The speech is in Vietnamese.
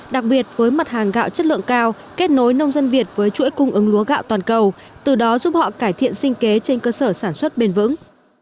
đặc biệt với mặt hàng gạo chất lượng cao kết nối nông dân việt với chuỗi cung ứng lúa gạo toàn cầu từ đó giúp họ cải thiện sinh kế trên cơ sở sản xuất bền vững